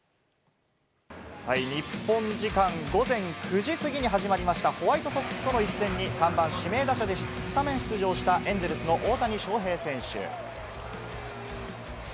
日本時間午前９時過ぎに始まりました、ホワイトソックスとの一戦に、３番・指名打者でスタメン出場した、エンゼルスの大谷翔平選手。